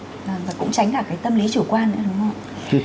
và cũng tránh cả cái tâm lý chủ quan nữa đúng không